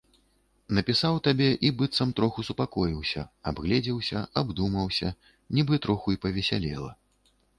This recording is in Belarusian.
Напісаў табе і быццам троху супакоіўся, абгледзеўся, абдумаўся, нібы троху і павесялела.